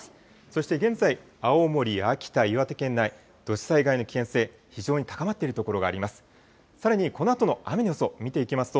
そして現在、青森、秋田、岩手県内、土砂災害の危険性、非常に高まっている所があります。